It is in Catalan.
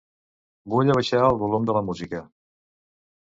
Vull abaixar el volum de la música.